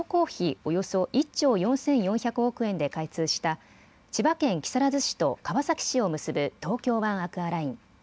およそ１兆４４００億円で開通した千葉県木更津市と川崎市を結ぶ東京湾アクアライン。